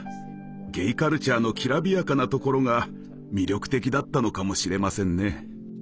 ゲイカルチャーのきらびやかなところが魅力的だったのかもしれませんね。